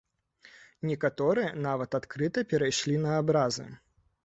Некаторыя нават адкрыта перайшлі на абразы.